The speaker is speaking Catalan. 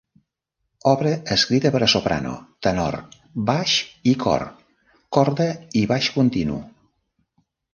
Obra escrita per a soprano, tenor, baix i cor; corda i baix continu.